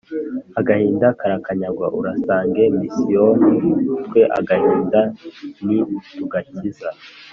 agahinda karakanyagwa, urasange misiyoni, twe agahinda ntitugakiza